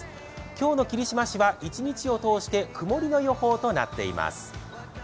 今日の霧島市は１日を通して曇りの予報となっています。